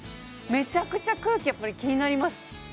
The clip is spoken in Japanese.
めちゃくちゃ空気やっぱり気になります